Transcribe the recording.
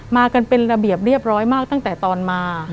มากันเป็นระเบียบเรียบร้อยมากตั้งแต่ตอนมา